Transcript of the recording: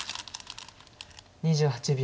２８秒。